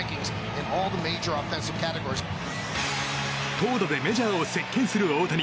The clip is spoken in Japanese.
投打でメジャーを席巻する大谷。